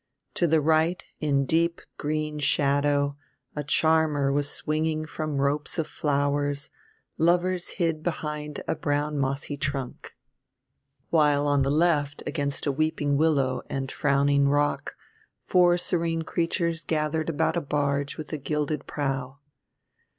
To the right, in deep green shadow, a charmer was swinging from ropes of flowers, lovers hid behind a brown mossy trunk; while on the left, against a weeping willow and frowning rock, four serene creatures gathered about a barge with a gilded prow.